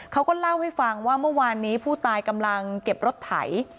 เขาก็เล่าให้ฟังว่าเมื่อวานนี้ผู้ตายกำลังเก็บรถไถ